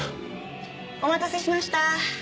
お待たせしました。